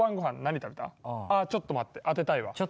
ああちょっと待って当てたいわ。